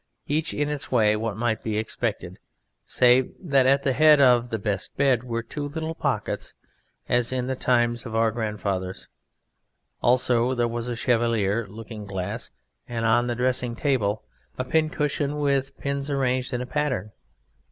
Each in its way what might be expected, save that at the head of the best bed were two little pockets as in the time of our grandfathers; also there was a Chevalier looking glass and on the dressing table a pin cushion with pins arranged in a pattern.